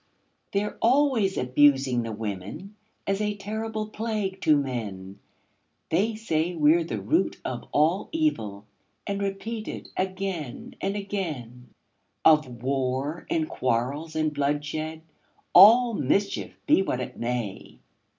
They're always abusing the women, As a terrible plague to men; They say we're the root of all evil, And repeat it again and again Of war, and quarrels, and bloodshed, All mischief, be what it may.